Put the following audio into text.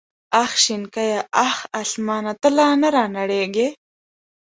اخ شنکيه اخ اسمانه ته لا نه رانړېږې.